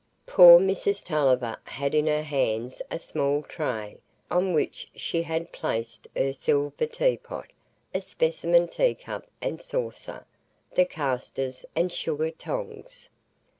Poor Mrs Tulliver had in her hands a small tray, on which she had placed her silver teapot, a specimen teacup and saucer, the castors, and sugar tongs.